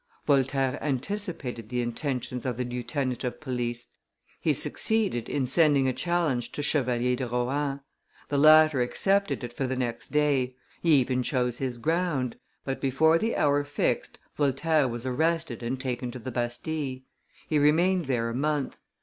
Voltaire anticipated the intentions of the lieutenant of police he succeeded in sending a challenge to Chevalier de Rohan; the latter accepted it for the next day; he even chose his ground: but before the hour fixed, Voltaire was arrested and taken to the Bastille; he remained there a month.